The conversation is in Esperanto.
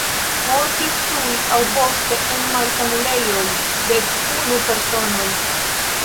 Mortis tuj aŭ poste en malsanulejoj dek-unu personoj.